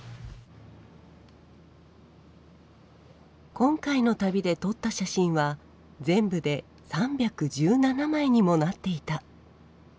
今回の旅で撮った写真は全部で３１７枚にもなっていた。